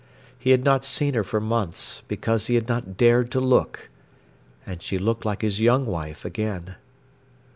He had not seen her for months, because he had not dared to look. And she looked like his young wife again.